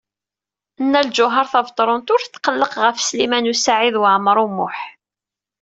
Nna Lǧuheṛ Tabetṛunt ur tetqelleq ɣef Sliman U Saɛid Waɛmaṛ U Muḥ.